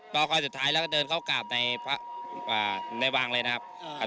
รอคอยสุดท้ายแล้วก็เดินเข้ากลับในในวังเลยนะครับอ่า